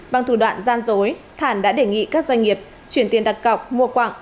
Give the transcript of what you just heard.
bằng thủ đoạn gian dối thản đã đề nghị các doanh nghiệp chuyển tiền đặt cọc mua quạng